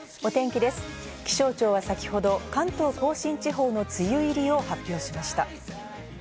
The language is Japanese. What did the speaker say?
気象庁は先ほど、関東甲信地方の梅雨入りを発表しました。